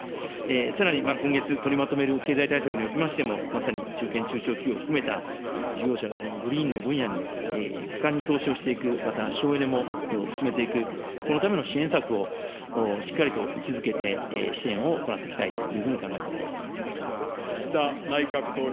さらに、今月取りまとめる経済対策におきましても、まさに中堅・中小企業含めた事業者のこのグリーンの分野に果敢に投資をしていく、また省エネも進めていく、このための支援策をしっかりと位置づけて支援を行っていきたいというふうに考えております。